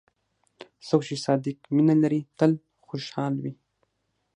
څوک چې صادق مینه لري، تل خوشحال وي.